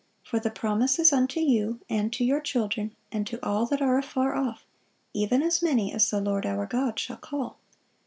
For the promise is unto you, and to your children, and to all that are afar off, even as many as the Lord our God shall call."